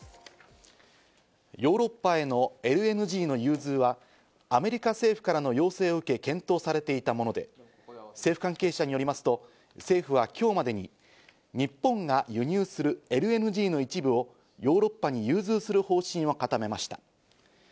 ヨーロッパへのＬＮＧの融通はアメリカアメリカ政府からの要請を受け検討されているもので、政府関係者によりますと、政府は今日までに日本が輸入するＬＮＧの一部をヨーロッパに融通する方針を固めました。